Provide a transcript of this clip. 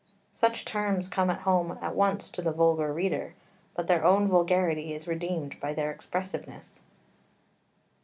Such terms come home at once to the vulgar reader, but their own vulgarity is redeemed by their expressiveness.